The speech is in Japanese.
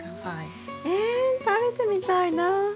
え食べてみたいな。